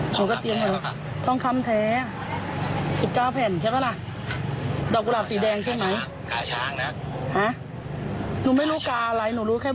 หนูก็เตรียมเถอะทองคำแท้๑๙แผ่นใช่ป่าล่ะ